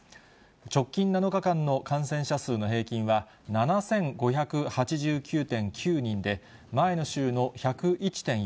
直近７日間の感染者数の平均は、７５８９．９人で、前の週の１０１．４％です。